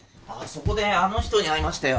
そこであの人に会いましたよ